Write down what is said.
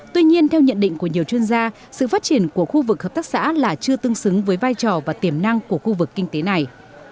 tuy nhiên theo nhận định của nhiều chuyên gia sự phát triển của khu vực hợp tác xã là chưa tương xứng với vai trò và tiềm năng của khu vực kinh tế này